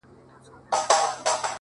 ولاړ انسان به وي ولاړ تر اخریته پوري!!